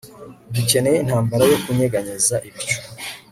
Dukeneye intambara yo kunyeganyeza ibicu